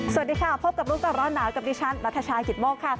สวัสดีค่ะพบกับรู้ก่อนร้อนหนาวกับดิฉันนัทชายกิตโมกค่ะ